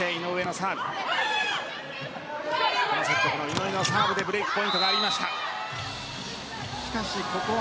このセット、井上のサーブでブレークポイントがありました。